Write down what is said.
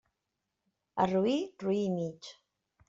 A roí, roí i mig.